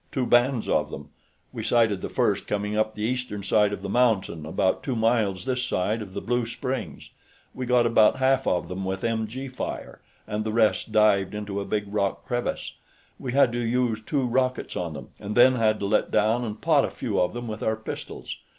"Two bands of them. We sighted the first coming up the eastern side of the mountain about two miles this side of the Blue Springs. We got about half of them with MG fire, and the rest dived into a big rock crevice. We had to use two rockets on them, and then had to let down and pot a few of them with our pistols.